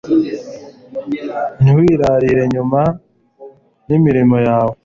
ntiwirarire nyurwa n'imirimo yawe